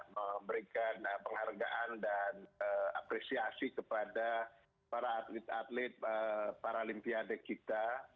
memberikan penghargaan dan apresiasi kepada para atlet atlet paralimpiade kita